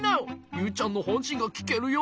ユウちゃんのほんしんがきけるよ？